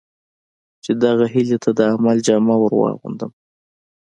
چې دغه هیلې ته د عمل جامه ور واغوندم.